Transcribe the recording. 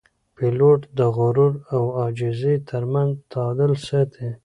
پیلوټ د غرور او عاجزۍ ترمنځ تعادل ساتي.